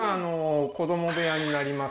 子ども部屋になります。